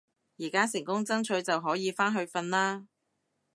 而家成功爭取就可以返去瞓啦